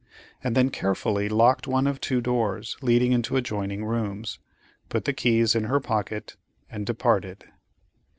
She then carefully locked one or two doors leading into adjoining rooms, put the keys in her pocket, and departed.